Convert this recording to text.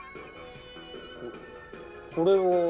これは？